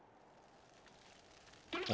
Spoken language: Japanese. あ？